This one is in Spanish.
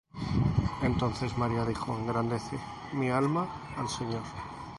Entonces María dijo: engrandece mi alma al Señor;